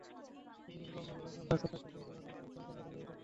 কিছু কিছু বাম সংগঠন ক্যাম্পাসে থাকে কিন্তু তাদের সংখ্যালঘু হয়েই থাকতে হয়।